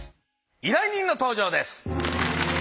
依頼人の登場です。